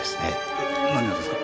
え何がですか？